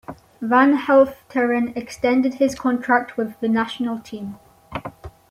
Van Helfteren extended his contract with the national team.